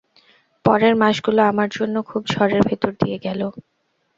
পরের মাসগুলো আমার জন্য খুব ঝড়ের ভেতর দিয়ে গেল।